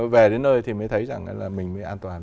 về đến nơi thì mới thấy rằng là mình mới an toàn